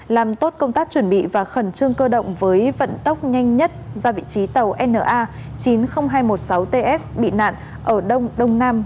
làm tốt công tác chuẩn bị và khẩn trương cơ động với vận tốc nhanh nhất ra vị trí tàu na chín mươi nghìn hai trăm một mươi sáu ts bị nạn ở đông đông nam